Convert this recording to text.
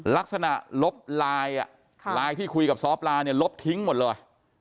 ลักษณะลบไลน์ไลน์ที่คุยกับสปลาลบทิ้งหมดเลย